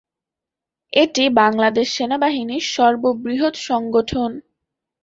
এটি বাংলাদেশ সেনাবাহিনীর সর্ববৃহৎ সংগঠন।